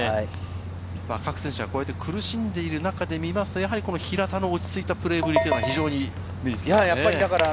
各選手、苦しんでいる中で見ると平田の落ち着いたプレーぶりが非常に目につきますね。